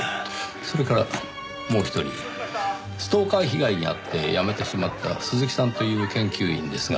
それからもう一人ストーカー被害に遭って辞めてしまった鈴木さんという研究員ですが。